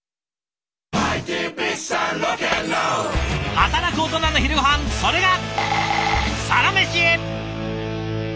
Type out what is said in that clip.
働くオトナの昼ごはんそれが「サラメシ」。